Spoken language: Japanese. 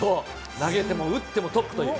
投げても打ってもトップという。